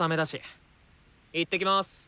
行ってきます。